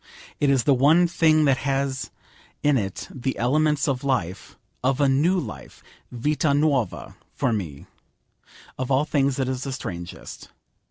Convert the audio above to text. It is the one thing that has in it the elements of life, of a new life, Vita Nuova for me. Of all things it is the strangest.